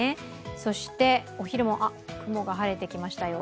そしてお昼も、雲が晴れてきましたよ。